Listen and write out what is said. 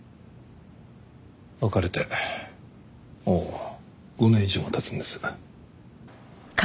別れてもう５年以上も経つんです。